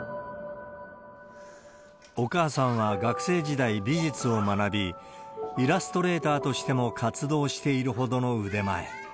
お母さんは学生時代、美術を学び、イラストレーターとしても活動しているほどの腕前。